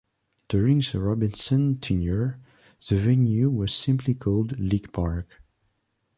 During the Robison's tenure, the venue was simply called League Park.